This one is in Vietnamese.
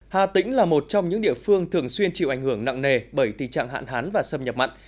hà tĩnh là một trong những địa phương thường xuyên chịu ảnh hưởng nặng nề bởi tình trạng hạn hán và xâm nhập mặn